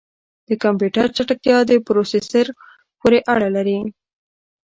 د کمپیوټر چټکتیا د پروسیسر پورې اړه لري.